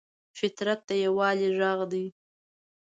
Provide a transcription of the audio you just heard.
فطرت د یووالي غږ دی.